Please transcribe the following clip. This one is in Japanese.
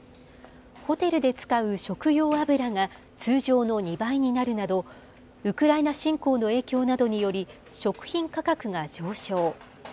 ホテルで使う食用油が通常の２倍になるなど、ウクライナ侵攻の影響などにより、食品価格が上昇。